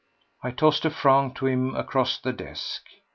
I tossed a franc to him across the desk.